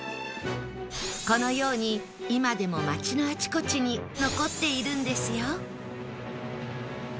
このように今でも町のあちこちに残っているんですよ